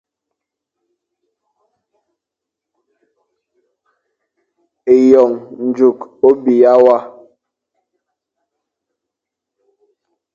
Eyon njuk o biya wa.